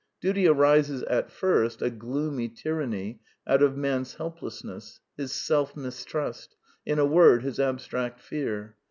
Duty arises at first, a gloomy tyranny, out of man's helplessness, his self mistrust, in a word, his abstract fear.